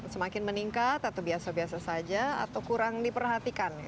semakin meningkat atau biasa biasa saja atau kurang diperhatikan